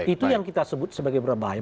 itu yang kita sebut sebagai berbahaya